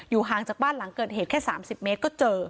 ห่างจากบ้านหลังเกิดเหตุแค่๓๐เมตรก็เจอ